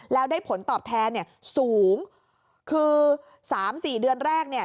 แล้วได้ผลตอบแทนเนี่ยสูงคือสามสี่เดือนแรกเนี่ย